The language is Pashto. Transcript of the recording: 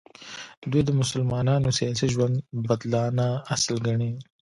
دوی د مسلمانانو سیاسي ژوند بدلانه اصل ګڼي.